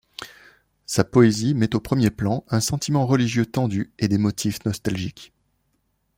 Sa poésie met au premier plan un sentiment religieux tendu et des motifs nostalgiques.